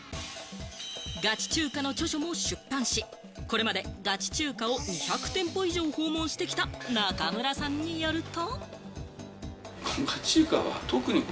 『ガチ中華』の著書も出版し、これまでガチ中華を２００店舗以上を訪問してきた中村さんによると。